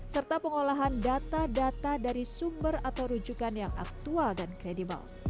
serta pengolahan data data dari sumber atau rujukan yang aktual dan kredibel